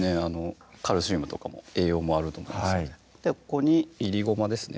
カルシウムとかも栄養もあると思いますのでここにいりごまですね